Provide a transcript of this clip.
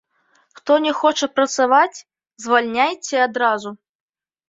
Хто не хоча працаваць, звальняйце адразу.